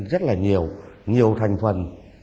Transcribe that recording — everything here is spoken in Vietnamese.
rất là nhiều thành phần